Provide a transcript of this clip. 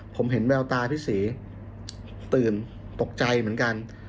ผมเห็นแววตาพี่ศรีตื่นตกใจเหมือนกัน